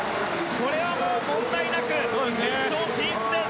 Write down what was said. これはもう、問題なく決勝進出です。